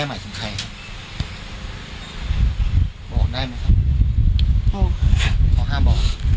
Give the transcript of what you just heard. บอกได้ไหมครับขอห้ามบอก